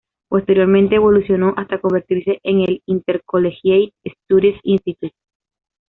Posteriormente, evolucionó hasta convertirse en el Intercollegiate Studies Institute.